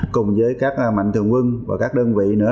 cùng với các mạnh thường quân và các đơn vị nữa